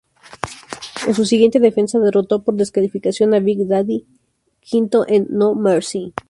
En su siguiente defensa, derrotó por descalificación a Big Daddy V, en No Mercy.